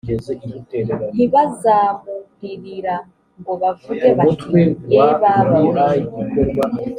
ntibazamuririra ngo bavuge bati ye baba we